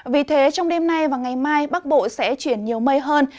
vì thế trong đêm nay và ngày mai bắc bộ sẽ chuyển nhiều mây hơn